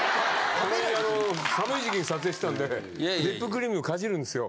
たまにあの寒い時期に撮影してたんでリップクリームをかじるんですよ。